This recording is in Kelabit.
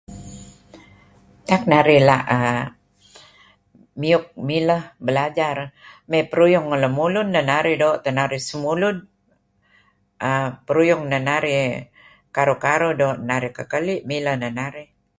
Tak narih la' miyuk mileh mesti narih belajar mey peruyung ngan lemulun neh narih doo' teh narih semulud err meruyung neh narih karuh karuh doo' neh narih kekeli' mileh neh narih.